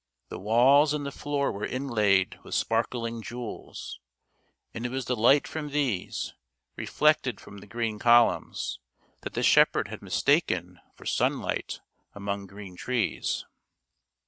The walls and the floor were inlaid with sparkling jewels, and it was the light from these, reflected from the green columns, that the shepherd had mis taken for sunlight among green trees.